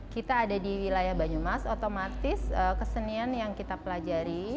kita ada di wilayah banyumas otomatis kesenian yang kita pelajari